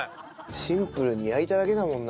シンプルに焼いただけだもんな。